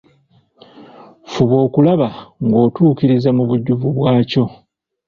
Fuba okulaba ng’okituukiriza mu bujjuvu bwakyo.